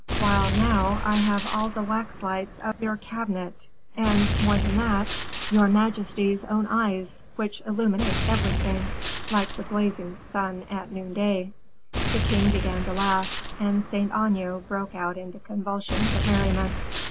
"While now I have all the wax lights of your cabinet, and more than that, your majesty's own eyes, which illuminate everything, like the blazing sun at noonday." The king began to laugh; and Saint Aignan broke out into convulsions of merriment.